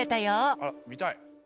あっみたい。